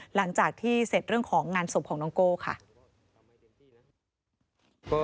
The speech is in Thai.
หลังจากที่เสร็จเรื่องของงานศพของน้องโก้ค่ะ